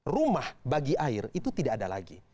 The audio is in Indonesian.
rumah bagi air itu tidak ada lagi